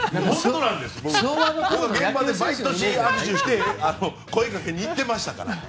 毎年握手して声掛けに行っていましたから。